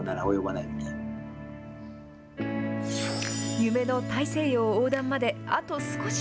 夢の大西洋横断まであと少し。